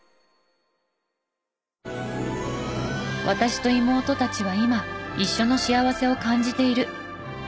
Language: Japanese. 私と妹たちは今一緒の幸せを感じている。